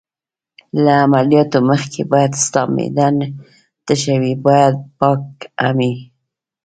له عملیاتو مخکې باید ستا معده تشه وي، باید پاک هم یې.